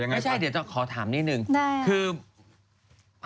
ไม่ใช่แต่จะขอถามนิดนึง